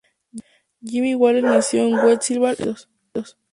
Jimmy Wales nació en Huntsville, Estados Unidos.